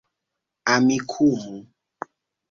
amikumu